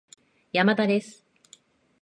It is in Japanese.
山田です